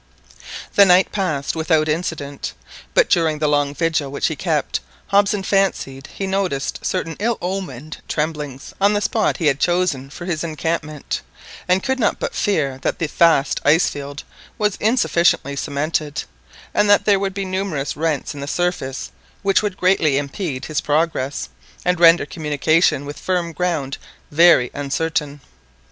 The night passed without incident; but during the long vigil which he kept, Hobson fancied he noticed certain ill omened tremblings on the spot he had chosen for his encampment, and could not but fear that the vast ice field was insufficiently cemented, and that there would be numerous rents in the surface which would greatly impede his progress, and render communication with firm ground very uncertain.